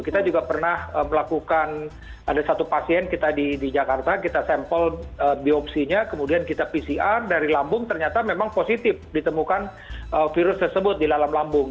kita juga pernah melakukan ada satu pasien kita di jakarta kita sampel biopsinya kemudian kita pcr dari lambung ternyata memang positif ditemukan virus tersebut di dalam lambung